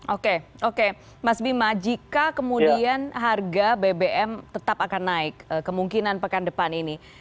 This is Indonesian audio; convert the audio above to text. oke oke mas bima jika kemudian harga bbm tetap akan naik kemungkinan pekan depan ini